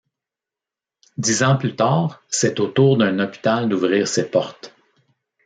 Dix ans plus tard, c'est au tour d'un hôpital d'ouvrir ses portes.